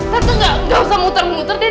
tante gak gak usah muter muter deh